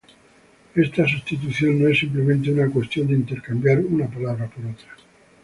Esta substitución no es simplemente una cuestión de intercambiar una palabra por otra.